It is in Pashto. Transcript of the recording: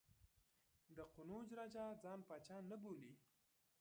د قنوج راجا ځان پاچا نه بولي.